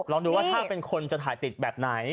ลองดูว่าถ้าเป็นคนจะถ่ายติดแบบไหน